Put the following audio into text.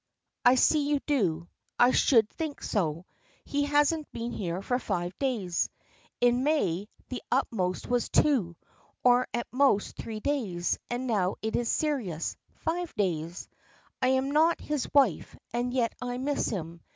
"I see you do. I should think so. He hasn't been here for five days. In May the utmost was two, or at most three days, and now it is serious, five days! I am not his wife, and yet I miss him.